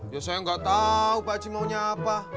ya saya nggak tahu pak aci maunya apa